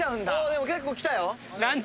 でも結構来たよ。